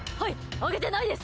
あげてないです。